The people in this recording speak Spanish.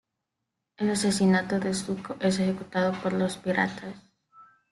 El asesinato de Zuko es ejecutado por los piratas.